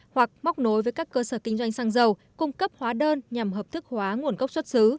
hoặc móc nối với các cơ sở kinh doanh xăng dầu cung cấp hóa đơn nhằm hợp thức hóa nguồn gốc xuất xứ